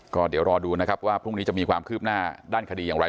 ก็เดี๋ยวรอดูนะครับว่าพรุ่งนี้จะมีความคืบหน้าด้านคดีอย่างไร